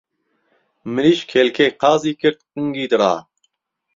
مریشک هێلکهی قازی کرد قنگی دڕا